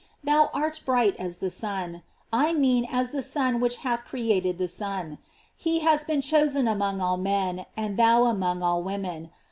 Thou art bright as the sun, I mean as that Sun which hath created the sun; he has been chosen among all men, and thou among all women.